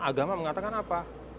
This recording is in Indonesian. agama mengatakan apa